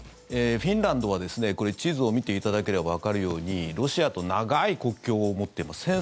フィンランドはこれ、地図を見ていただければわかるようにロシアと長い国境を持ってます。